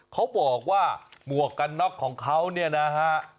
เขาบอกว่าหมวกกันน็อกของเขาเนี่ยนะฮะ